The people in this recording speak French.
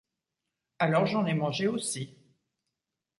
Alors j’en ai mangé aussi.